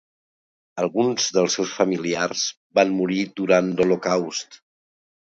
Alguns dels seus familiars van morir durant l"holocaust.